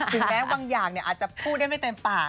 แม้บางอย่างอาจจะพูดได้ไม่เต็มปาก